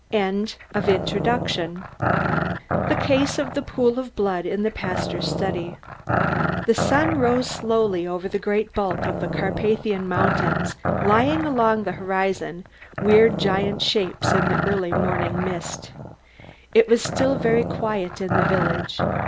JOE MULLER: DETECTIVE THE CASE OF THE POOL OF BLOOD IN THE PASTOR'S STUDY The sun rose slowly over the great bulk of the Carpathian mountains lying along the horizon, weird giant shapes in the early morning mist. It was still very quiet in the village.